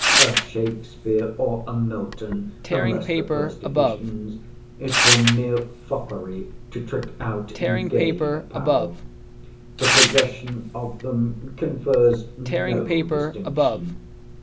A Shakespeare, or a Milton (unless the first editions), it were mere foppery to trick out in gay apparel. The possession of them confers no distinction.